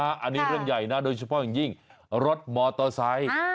อันนี้เรื่องใหญ่นะโดยเฉพาะอย่างยิ่งรถมอเตอร์ไซค์